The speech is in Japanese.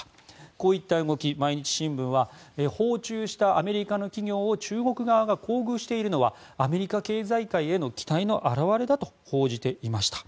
こういった動き、毎日新聞は訪中したアメリカ企業を中国側が厚遇しているのはアメリカ経済界への期待の表れだと報じていました。